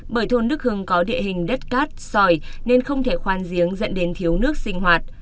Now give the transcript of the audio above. bởi thôn đức hưng có địa hình đất cát sỏi nên không thể khoan giếng dẫn đến thiếu nước sinh hoạt